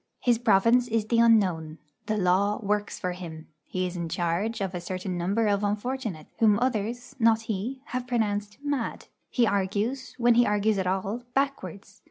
His province is the unknown; the law works for him; he is in charge of a certain number of unfortunates, whom others not he have pronounced 'mad;' he argues, when he argues at all, backwards.